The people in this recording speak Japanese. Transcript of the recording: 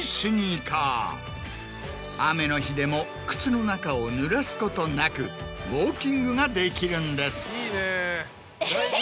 雨の日でも靴の中をぬらすことなくウォーキングができるんです。